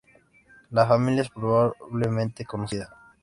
La familia es pobremente conocida.